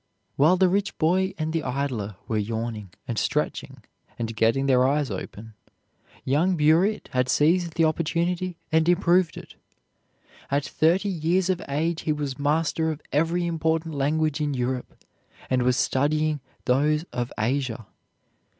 While the rich boy and the idler were yawning and stretching and getting their eyes open, young Burritt had seized the opportunity and improved it. At thirty years of age he was master of every important language in Europe and was studying those of Asia.